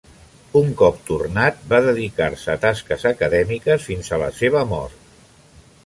Un cop tornat, va dedicar-se a tasques acadèmiques fins a la seva mort.